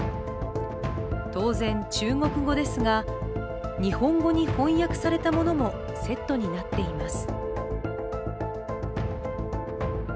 当然、中国語ですが日本語に翻訳されたものもセットになっています。